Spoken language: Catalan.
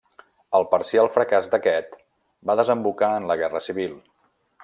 El parcial fracàs d'aquest va desembocar en la Guerra Civil.